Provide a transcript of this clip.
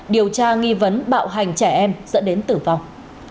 điều tra nghi vấn bạo hành trẻ em dẫn đến tử vong